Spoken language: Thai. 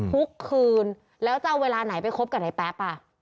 ทุกคืนแล้วจะเอาเวลาไหนไปคบกับนายแป๊บอ่ะ